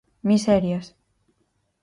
¡Miserias!